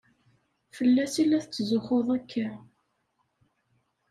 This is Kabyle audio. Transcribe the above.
Fell-as i la tetzuxxuḍ akka?